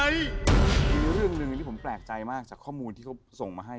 มีเรื่องหนึ่งที่ผมแปลกใจมากจากข้อมูลที่เขาส่งมาให้